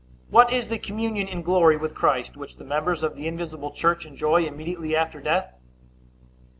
What is the communion in glory with Christ which the members of the invisible church enjoy immediately after death?